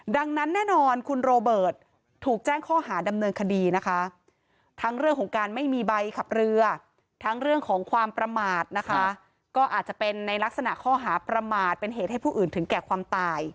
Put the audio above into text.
ดังนั้นแน่นอนคุณโรเบิร์ตถูกแจ้งข้อหาดำเนินคดีนะคะ